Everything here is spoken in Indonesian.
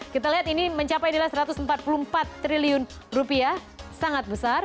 kita lihat ini mencapai nilai satu ratus empat puluh empat triliun rupiah sangat besar